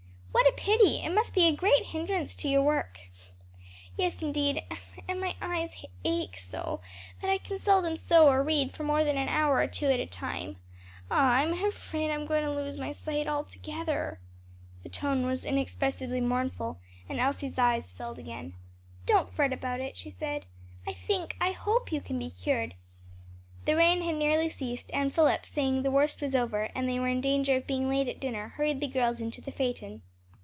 "What a pity! it must be a great hindrance to your work." "Yes, indeed, and my eyes ache so that I can seldom sew or read for more than an hour or two at a time. Ah, I'm afraid I'm going to lose my sight altogether." The tone was inexpressibly mournful, and Elsie's eyes filled again. "Don't fret about it," she said, "I think I hope you can be cured." The rain had nearly ceased, and Philip, saying the worst was over, and they were in danger of being late at dinner, hurried the girls into the phaeton.